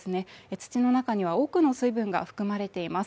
土の中には多くの水分が含まれています。